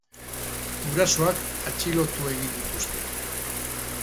Gurasoak atxilotu egin dituzte.